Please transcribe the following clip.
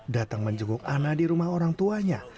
datang menjenguk ana di rumah orang tuanya